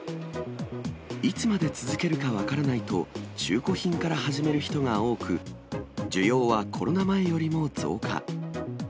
いつまで続けるか分からないと、中古品から始める人が多く、需要はコロナ前よりも増加。